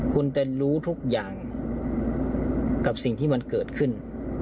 คุณจะรู้ทุกอย่างกับสิ่งที่มันเกิดขึ้น